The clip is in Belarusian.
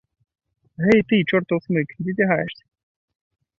Гэй ты, чортаў смык, дзе цягаешся?